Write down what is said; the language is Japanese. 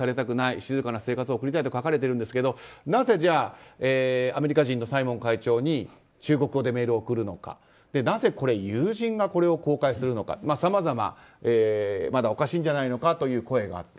静かな生活を送りたいと書かれているんですがなぜアメリカ人のサイモン会長に中国語でメールを送るのかそして、なぜ友人が公開するのかさまざまおかしいんじゃないのかという声があった。